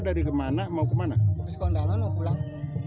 sekondaman mau pulang